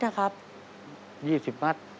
ไปกินกลางวันที่โรงเรียน